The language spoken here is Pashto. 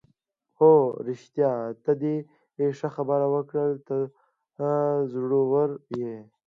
هو رښتیا، ته دې ښه خبره وکړل، ته زړوره یې.